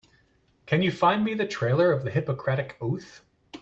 Can you find me the trailer of the Hippocratic Oath?